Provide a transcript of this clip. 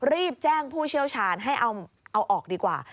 รีบแจ้งผู้เชี่ยวชาญให้เอาออกดีกว่า